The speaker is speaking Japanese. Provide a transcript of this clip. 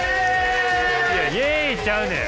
いやイエイちゃうねん。